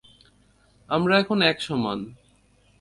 আমরা এখন এক সমান।